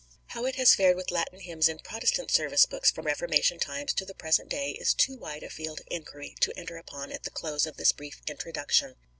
How it has fared with Latin hymns in Protestant service books from Reformation times to the present day is too wide a field of inquiry to enter upon at the close of this brief introduction.